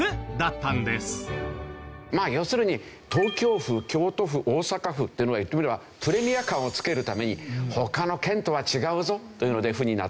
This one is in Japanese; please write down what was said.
要するに東京府京都府大阪府というのは言ってみればプレミア感をつけるために他の県とは違うぞというので府になっていた。